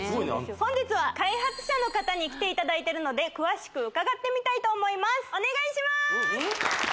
本日は開発者の方に来ていただいてるので詳しく伺ってみたいと思いますお願いします